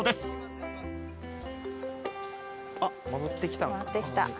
あっ戻ってきた。